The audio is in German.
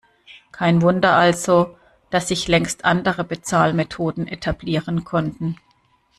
Kein Wunder also, dass sich längst andere Bezahlmethoden etablieren konnten.